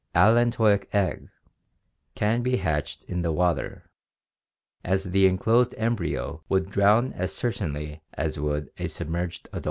c, allantoic egg, seepage 495), can be hatched in the water, as the enclosed embryo would drown as certainly as would a sub merged adult.